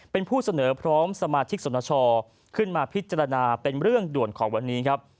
เป็นผู้เสนอพร้อมสมาชิกสนชขึ้นมาพิจารณาเป็นเรื่องด่วนของวันนี้ครับ